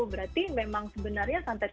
berarti memang sebenarnya santet